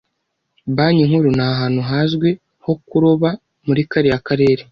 Banki Nkuru ni ahantu hazwi ho kuroba muri kariya karere